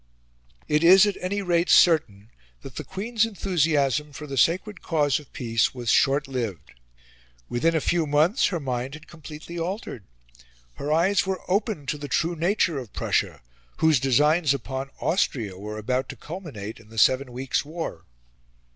It is, at any rate, certain that the Queen's enthusiasm for the sacred cause of peace was short lived. Within a few months her mind had completely altered. Her eyes were opened to the true nature of Prussia, whose designs upon Austria were about to culminate in the Seven Weeks' War.